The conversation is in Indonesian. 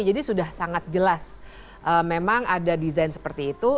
jadi sudah sangat jelas memang ada design seperti itu